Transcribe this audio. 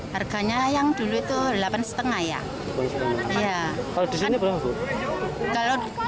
harganya yang dulu itu delapan lima ya